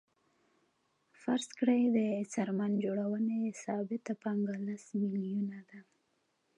فرض کړئ د څرمن جوړونې ثابته پانګه لس میلیونه ده